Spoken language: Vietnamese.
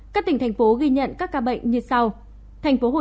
các tỉnh thành phố ghi nhận các ca bệnh như sau